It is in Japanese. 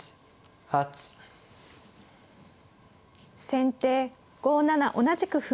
先手５七同じく歩。